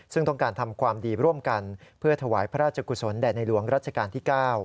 ซึ่งต้องการทำความดีร่วมกันเพื่อถวายพระราชกุศลแด่ในหลวงรัชกาลที่๙